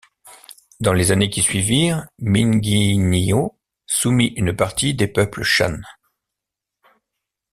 Dans les années qui suivirent, Mingyinyo soumit une partie des peuples shans.